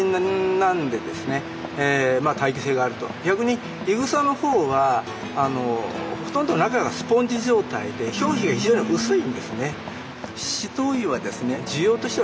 逆にイグサのほうはほとんど中がスポンジ状態で表皮が非常に薄いんですね。